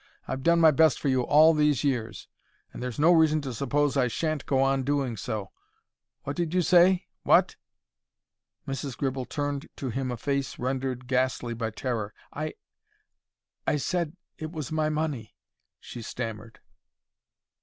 I've done my best for you all these years, and there's no reason to suppose I sha'n't go on doing so. What did you say? What!" Mrs. Gribble turned to him a face rendered ghastly by terror. "I—I said—it was my money," she stammered.